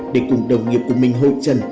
để cùng đồng nghiệp của mình hội trần